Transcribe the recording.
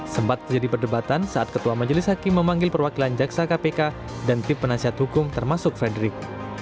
sempat terjadi perdebatan saat ketua majelis hakim memanggil perwakilan jaksa kpk dan tim penasihat hukum termasuk frederick